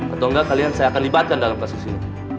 atau enggak kalian saya akan libatkan dalam kasus ini